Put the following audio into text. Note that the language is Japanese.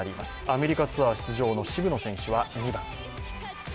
アメリカツアー出場の渋野選手は２番。